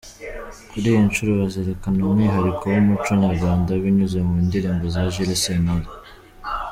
Kuri iyi nshuro bazerekana umwihariko w’umuco nyarwanda binyuze mu ndirimbo za Jules Sentore.